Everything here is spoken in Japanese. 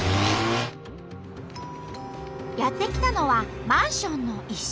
やって来たのはマンションの一室。